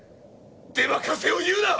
出任せを言うな！